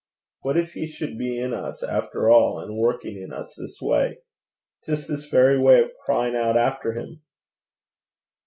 What if he should be in us after all, and working in us this way? just this very way of crying out after him?'